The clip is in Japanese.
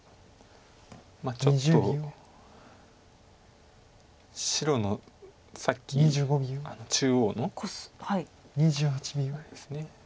まあちょっと白のさっき中央のあれですね。